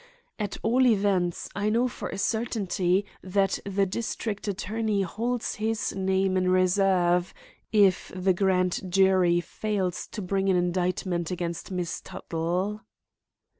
At all events, I know for a certainty that the district attorney holds his name in reserve, if the grand jury fails to bring in an indictment against Miss Tuttle."